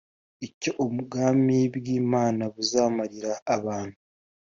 Icyo Ubwami bw Imana buzamarira abantu